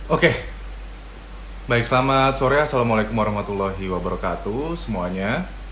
oke baik selamat sore assalamualaikum warahmatullahi wabarakatuh semuanya